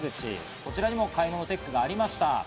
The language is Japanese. こちらにも買い物テックがありました。